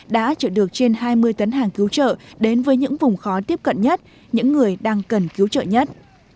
đã chở được trên hai mươi tấn hàng cứu trợ đến với những vùng khó tiếp cận nhất những người đang cần cứu trợ nhất